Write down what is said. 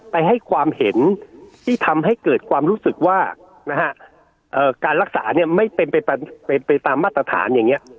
ให้ความเห็นที่ทำให้เกิดความรู้สึกว่าการรักษาเนี่ยไม่เป็นไปตามมาตรฐานอย่างนี้